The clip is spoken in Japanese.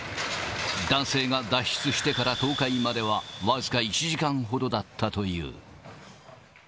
男性が脱出してから倒壊までは僅か１時間ほどだったという。